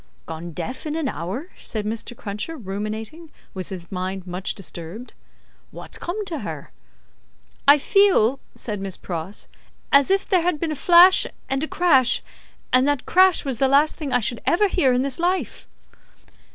"Gone deaf in an hour?" said Mr. Cruncher, ruminating, with his mind much disturbed; "wot's come to her?" "I feel," said Miss Pross, "as if there had been a flash and a crash, and that crash was the last thing I should ever hear in this life."